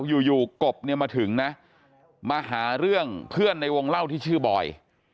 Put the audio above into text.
อยู่กบเนี่ยมาถึงนะมาหาเรื่องเพื่อนในวงเล่าที่ชื่อบอย